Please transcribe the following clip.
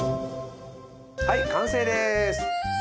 はい完成です！